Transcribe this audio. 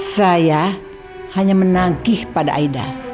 saya hanya menagih pada aida